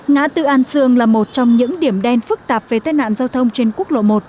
ngã tự an sương là một trong những điểm đen phức tạp về tên nạn giao thông trên quốc lộ một